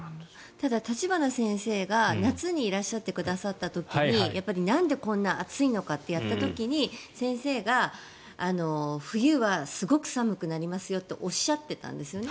ただ、立花先生が夏にいらっしゃってくださった時になんでこんな暑いのかってやった時に先生が冬はすごく寒くなりますよっておっしゃってたんですよね。